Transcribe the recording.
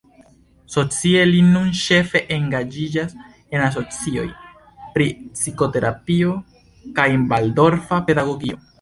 Socie, li nun ĉefe engaĝiĝas en asocioj pri psikoterapio kaj valdorfa pedagogio.